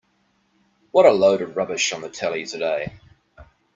What a load of rubbish on the telly today.